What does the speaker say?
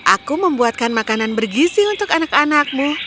aku membuatkan makanan bergisi untuk anak anakmu